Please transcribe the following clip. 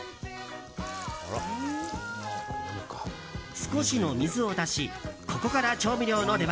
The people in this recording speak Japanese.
少しの水を足しここから調味料の出番。